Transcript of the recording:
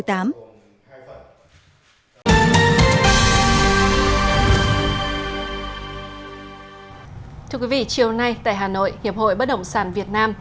thưa quý vị chiều nay tại hà nội hiệp hội bất động sản việt nam